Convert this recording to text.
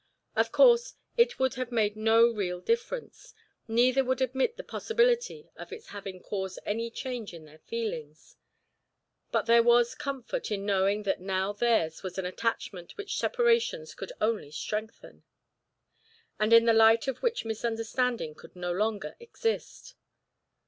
Of course, it would have made no real difference; neither would admit the possibility of its having caused any change in their feelings, but there was comfort in knowing that now theirs was an attachment which separations could only strengthen, and in the light of which misunderstandings could no longer exist.